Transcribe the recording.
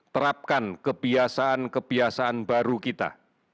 terapkan kebiasaan kebiasaan baru kita